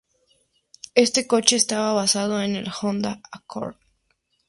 Este coche estaba basado en el Honda Accord.